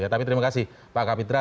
tapi terima kasih pak kapitra